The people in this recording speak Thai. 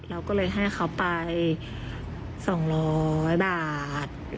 เราก็เลยให้เขาไป๒๐๐บาท